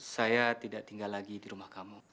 saya tidak tinggal lagi di rumah kamu